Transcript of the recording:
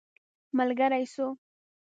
ملګری سو.